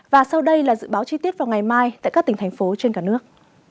và sau đây là dự báo chi tiết vào ngày mai tại các tỉnh thành phố trên cả nước